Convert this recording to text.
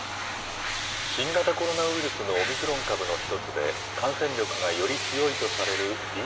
新型コロナウイルスのオミクロン株の１つで感染力がより強いとされるＢＡ．